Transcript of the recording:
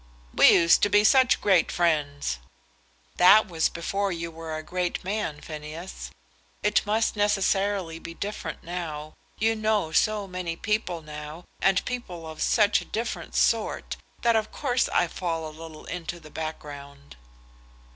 "We used to be such great friends." "That was before you were a great man, Phineas. It must necessarily be different now. You know so many people now, and people of such a different sort, that of course I fall a little into the background."